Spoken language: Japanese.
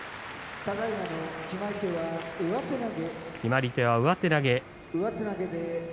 決まり手は上手投げ。